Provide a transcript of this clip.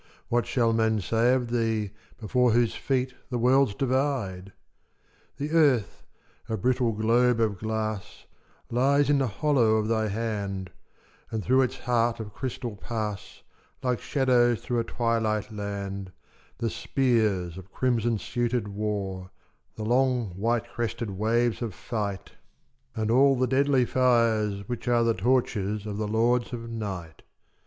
what shall men say of thee, Before whose feet the worlds divide? The earth, a brittle globe of glass, Lies in the hollow of thy hand, And through its heart of crystal pass, Like shadows through a twilight land, The spears of crimson suited war, The long white crested waves of fight, And all the deadly fires which are The torches of the lords of Night.